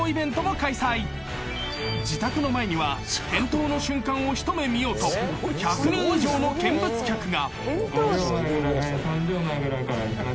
［自宅の前には点灯の瞬間を一目見ようと１００人以上の見物客が］